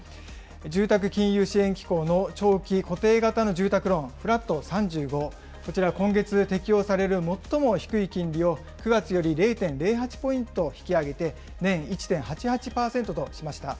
住宅金融支援機構の長期固定型の住宅ローン、フラット３５、こちらは今月適用される最も低い金利を９月より０．０８ポイント引き上げて、年１．８８％としました。